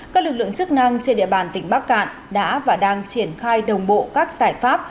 các lực lượng chức năng trên địa bàn tỉnh bắc cạn đã và đang triển khai đồng bộ các giải pháp